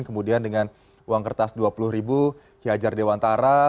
kemudian dengan uang kertas dua puluh ribu hiyajar dewantara